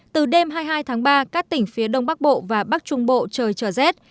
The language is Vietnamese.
từ đêm hai mươi hai tháng ba các tỉnh phía đông bắc bộ và bắc trung bộ trời trở rét